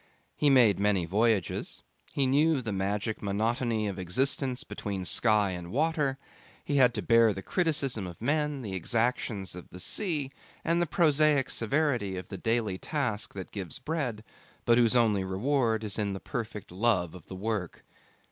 He made many voyages. He knew the magic monotony of existence between sky and water: he had to bear the criticism of men, the exactions of the sea, and the prosaic severity of the daily task that gives bread but whose only reward is in the perfect love of the work.